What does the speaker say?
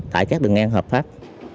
tại các đường ngang hợp pháp